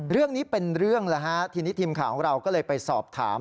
เรื่องนี้เป็นเรื่องแล้วฮะทีนี้ทีมข่าวของเราก็เลยไปสอบถาม